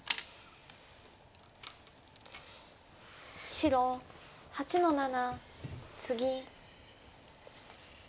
白８の七ツギ。